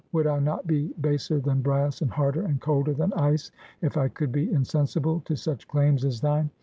would I not be baser than brass, and harder, and colder than ice, if I could be insensible to such claims as thine?